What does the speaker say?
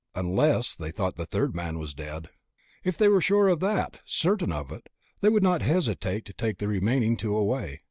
Unless they thought the third man was dead. If they were sure of that ... certain of it ... they would not hesitate to take the remaining two away.